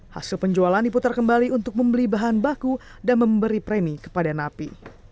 hasil penjualan diputar kembali untuk membeli bahan baku dan memberi premi kepada napi